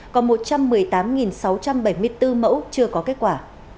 còn một trăm một mươi tám sáu trăm bảy mươi bốn mẫu chưa có kết quả